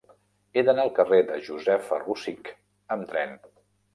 He d'anar al carrer de Josefa Rosich amb tren.